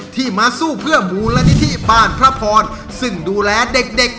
ที่มาสู้เพื่อมูลนิธิบ้านพระพรซึ่งดูแลเด็กเด็ก